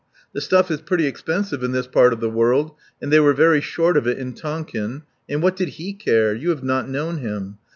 The stuff is pretty expensive in this part of the world, and they were very short of it in Tonkin. And what did he care? You have not known him.